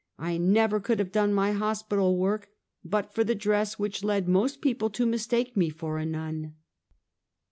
I never could have done my hospital work but for the dress which led most people to mistake me for a nun.